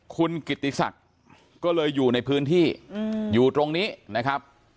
คุณกิติศักดิ์ก็เลยอยู่ในพื้นที่อยู่ตรงนี้นะครับ